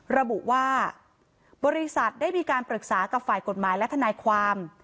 ระบุว่าบริษัทได้มีการปรึกษากับฝ่ายกฎหมายและทนายความ